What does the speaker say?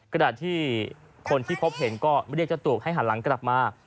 กระดาษที่คนที่พบเห็นก็ไม่เรียกเจ้าตูบให้ห่างล่างกลับมา